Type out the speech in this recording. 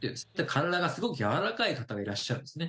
体がすごくやわらかい方がいらっしゃるんですね